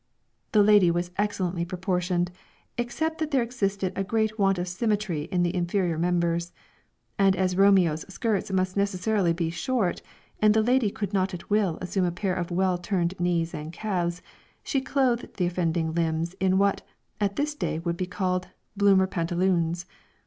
The lady was excellently proportioned, except that there existed a great want of symmetry in the inferior members; and as Romeo's skirts must necessarily be short, and the lady could not at will assume a pair of well turned knees and calves, she clothed the offending limbs in what, at this day would be called "Bloomer pantaloons."